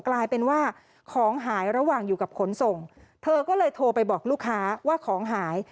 กลายเป็นว่าของหายระหว่างอยู่กับขนส่งเธอก็เลยโทรไปบอกลูกค้าว่าของหาย